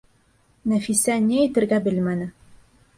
Нәфисә ни әйтергә белмәне.